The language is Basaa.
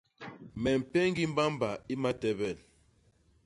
Me mpéñgi mbamba i matebel.